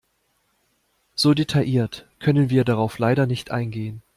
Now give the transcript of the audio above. So detailliert können wir darauf leider nicht eingehen.